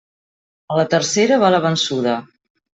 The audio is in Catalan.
A la tercera va la vençuda.